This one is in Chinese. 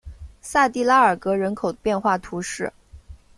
萨蒂拉尔格人口变化图示